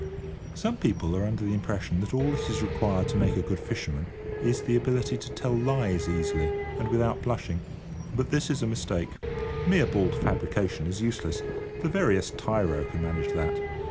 Some people are under the impression that all that is required to make a good fisherman is the ability to tell lies easily and without blushing; but this is a mistake. Mere bald fabrication is useless; the veriest tyro can manage that.